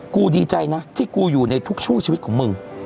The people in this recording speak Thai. กูดีใจนะที่กูอยู่ในทุกช่วงชีวิตของมึง